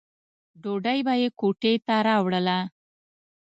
ډوډۍ به یې کوټې ته راوړله.